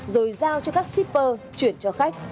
rồi giao cho các shipper chuyển cho khách